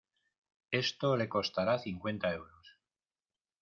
Esto le costará cincuenta euros.